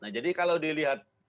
nah jadi kalau dilihat